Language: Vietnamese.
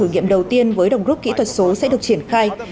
thử nghiệm đầu tiên với đồng rút kỹ thuật số sẽ được triển khai